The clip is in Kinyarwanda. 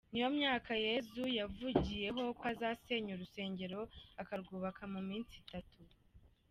Niyo myaka Yesu yavugiyeho ko azasenya urusengero akarwubaka mu minsi itatu.